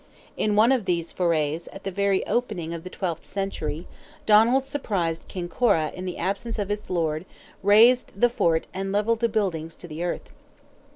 In one of these forays, at the very opening of the twelfth century, Donald surprised Kinkora in the absence of its lord, razed the fort and levelled the buildings to the earth.